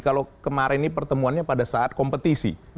kalau kemarin ini pertemuannya pada saat kompetisi